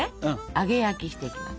揚げ焼きしていきます。